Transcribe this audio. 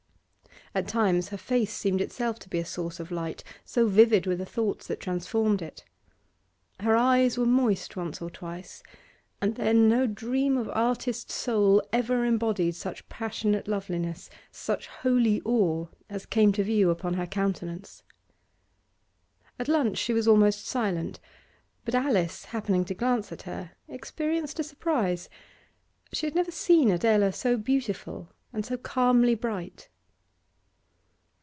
At times her face seemed itself to be a source of light, so vivid were the thoughts that transformed it Her eyes were moist once or twice, and then no dream of artist soul ever embodied such passionate loveliness, such holy awe, as came to view upon her countenance. At lunch she was almost silent, but Alice, happening to glance at her, experienced a surprise; she had never seen Adela so beautiful and so calmly bright.